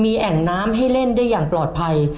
มีแอ่งน้ำให้เล่นได้อย่างปลอดภัย